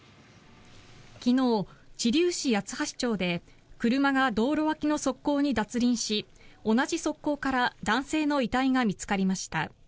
昨日、知立市八橋町で車が道路脇の側溝に脱輪し同じ側溝から男性の遺体が見つかりました。